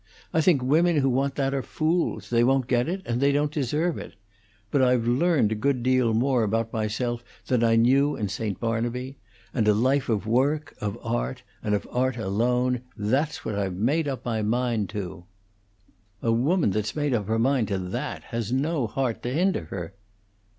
I think women who want that are fools; they won't get it, and they don't deserve it. But I've learned a good deal more about myself than I knew in St. Barnaby, and a life of work, of art, and of art alone that's what I've made up my mind to." "A woman that's made up her mind to that has no heart to hinder her!"